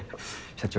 社長